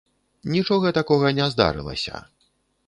Нічога такога не здарылася.